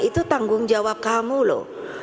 itu tanggung jawab kamu loh